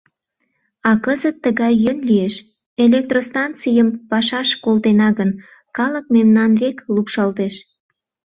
А кызыт тыгай йӧн лиеш: электростанцийым пашаш колтена гын, калык мемнан век лупшалтеш.